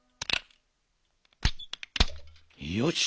よし。